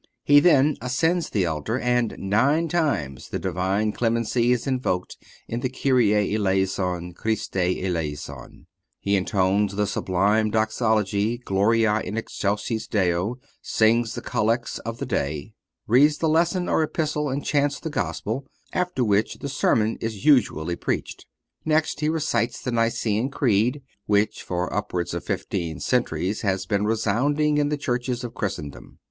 He then ascends the altar, and nine times the Divine clemency is invoked in the Kyrie Eleison, Christe Eleison. He intones the sublime doxology, Gloria in Excelsis Deo, sings the collects of the day, reads the Lesson or Epistle and chants the Gospel, after which the sermon is usually preached. Next he recites the Nicene Creed, which for upwards of fifteen centuries has been resounding in the churches of Christendom.